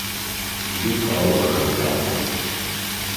Бик ауыр хәлдә